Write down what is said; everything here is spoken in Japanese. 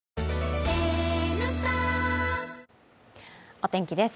お天気です。